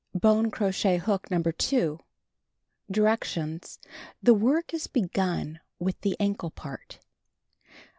Bone crochet hook No. 2. Directions : The work is begun with the ankle part.